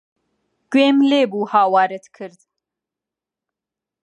گوێم لێ بوو هاوارت کرد.